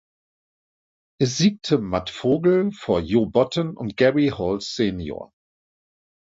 Es siegte Matt Vogel vor Joe Bottom und Gary Hall senior.